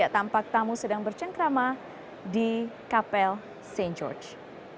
tampak tamu sedang bercengkrama di kapel st george